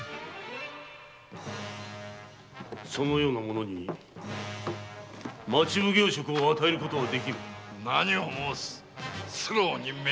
そのような者に町奉行職を与えることはできぬ何を申す素浪人めが。